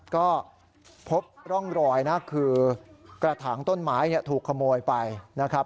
ก็พบร่องรอยนะคือกระถางต้นไม้ถูกขโมยไปนะครับ